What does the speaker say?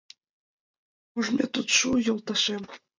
Ужмет от шу, йолташем.